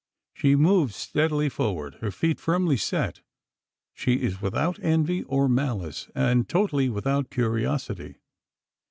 She moves steadily forward, her feet firmly set. She is without envy, or malice, and totally without curiosity.